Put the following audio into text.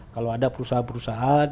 kalau ada perusahaan perusahaan